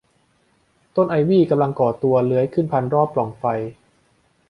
ต้นไอวี่กำลังก่อตัวเลื้อยขึ้นพันรอบปล่องไฟ